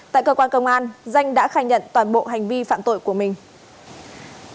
tại cơ quan công an danh đã khai nhận toàn bộ hành vi phạm tội của mình